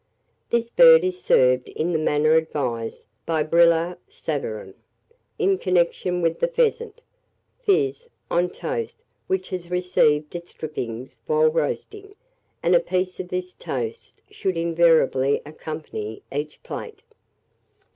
This bird is served in the manner advised by Brillat Savarin, in connection with the pheasant, viz., on toast which has received its drippings whilst roasting; and a piece of this toast should invariably accompany each plate.